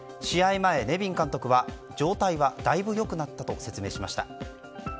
前、ネビン監督は状態はだいぶ良くなったと説明しました。